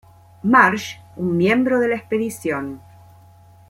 Marsh, un miembro de la expedición.